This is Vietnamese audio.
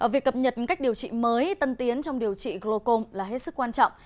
việc cập nhật cách điều trị mới tân tiến trong điều trị glocom là hết sức quan trọng